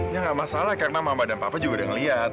ya nggak masalah karena mama dan papa juga udah ngeliat